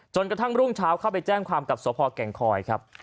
กระทั่งรุ่งเช้าเข้าไปแจ้งความกับสพแก่งคอยครับ